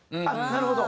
なるほど。